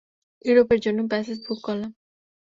ইউরোপের জন্য passage book করলাম।